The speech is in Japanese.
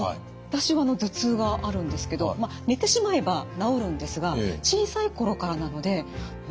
私は頭痛があるんですけどまあ寝てしまえば治るんですが小さい頃からなのでもしかすると。